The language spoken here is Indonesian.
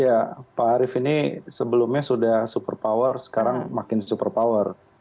ya pak arief ini sebelumnya sudah super power sekarang makin super power